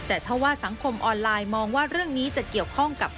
แต่ถ้าว่าสังคมออนไลน์มองว่าเรื่องนี้จะเกี่ยวข้องกับ